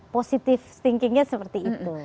positif thinkingnya seperti itu